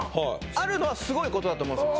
あるのはすごいことだと思うんですよ